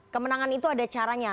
kemenangan itu ada caranya